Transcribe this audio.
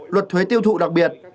luật thuế tiêu thụ đặc biệt